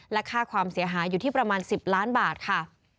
และค่าความเสียหายอยู่ที่ประมาณ๑๐ล้านบาทค่ะ